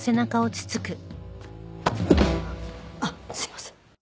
あっすいません。